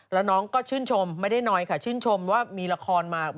แล้วน้องก็ชื่นชมไม่ได้น้อยค่ะชื่นชมว่ามีละครมา